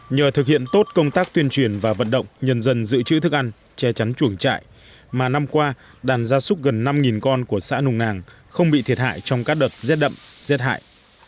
nhờ thực hiện tốt công tác tuyên truyền và vận động nhân dân giữ chữ thức ăn che chắn chuồng trại mà năm qua đàn gia súc gần năm con của xã nùng nàng không bị thiệt hại trong các đợt rét đậm rét hại